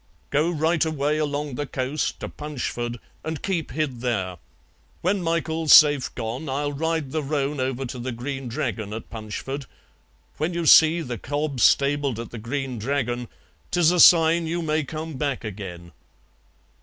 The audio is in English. "Go right away along the coast to Punchford and keep hid there. When Michael's safe gone I'll ride the roan over to the Green Dragon at Punchford; when you see the cob stabled at the Green Dragon 'tis a sign you may come back agen."